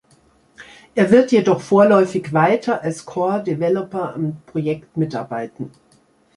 Er wird jedoch vorläufig weiter als Core-Developer am Projekt mitarbeiten.